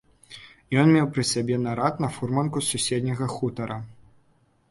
Ён меў пры сабе нарад на фурманку з суседняга хутара.